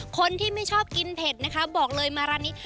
คนที่ไม่ชอบกินเผ็ดนะคะบอกเลยมาร้านนี้